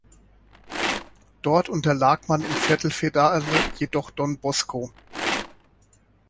Dort unterlag man im Viertelfinale jedoch Don Bosco.